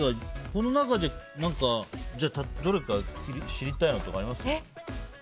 この中で、どれか知りたいのありますか。